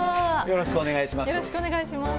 よろしくお願いします。